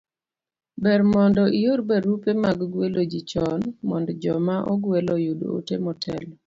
ber mondo ior barupe mag gwelo ji chon mondo joma ogwel oyud ote motelo